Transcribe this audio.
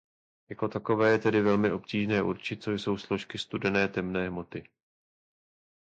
Jako takové je tedy velmi obtížné určit co jsou složky studené temné hmoty.